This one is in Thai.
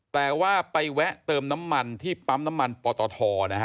แต่ว่าไปแวะเติมน้ำมันที่ปั๊มน้ำมันปตทนะฮะ